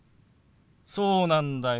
そうなんだよ。